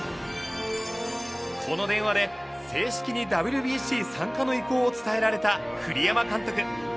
この電話で正式にＷＢＣ参加の意向を伝えられた栗山監督。